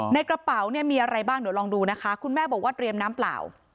ในกระเป๋าเนี่ยมีอะไรบ้างเดี๋ยวลองดูนะคะคุณแม่บอกว่าเตรียมน้ำเปล่า